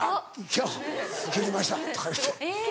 「師匠切りました」とか言うて。